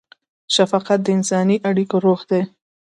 شفقت د انساني اړیکو روح دی.